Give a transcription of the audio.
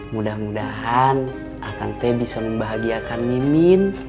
mudah mudahan akan teh bisa membahagiakan mimin